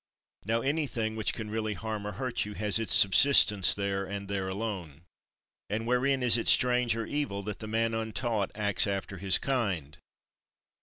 Now anything which can really harm or hurt you has its subsistence there, and there alone. And wherein is it strange or evil that the man untaught acts after his kind?